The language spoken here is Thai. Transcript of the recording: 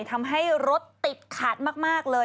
ทำให้รถติดขาดมากเลย